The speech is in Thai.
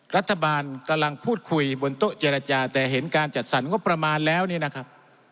รัฐบาลกำลังพูดคุยบนโต๊ะเจรจาแต่เห็นการจัดสรรงบประมาณแล้วเนี่ยนะครับ